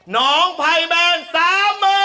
หนองไพแบงสามหมื่น